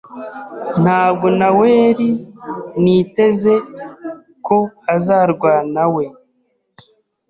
Ntabwo naweri niteze ko azarwanawe.